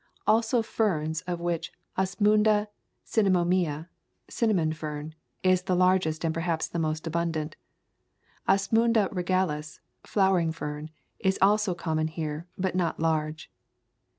Also ferns of which Os munda cinnamomea [Cinnamon Fern] is the largest and perhaps the most abundant. Os munda regalis [Flowering Fern] is also common here, but not large.